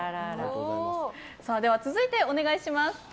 続いて、お願いします。